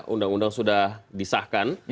undang undang sudah disahkan